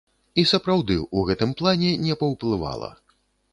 І сапраўды ў гэтым плане не паўплывала.